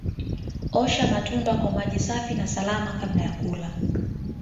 Osha matunda kwa maji safi na salama kabla ya kula